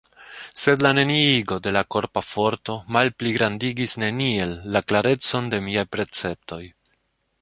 Sed la neniigo de la korpa forto malpligrandigis neniel la klarecon de miaj perceptoj.